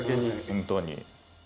本当に。